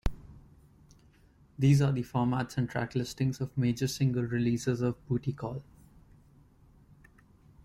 These are the formats and track listings of major single releases of "Bootie Call".